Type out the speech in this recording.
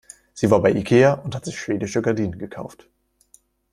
Sie war bei Ikea und hat sich schwedische Gardinen gekauft.